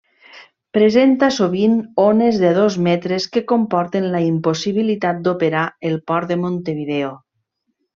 Presenta sovint ones de dos metres que comporten la impossibilitat d'operar el Port de Montevideo.